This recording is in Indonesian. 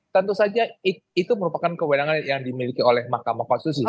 tentu saja itu merupakan kewenangan yang dimiliki oleh mahkamah konstitusi